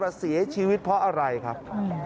แต่เสียชีวิตเพราะอะไรครับ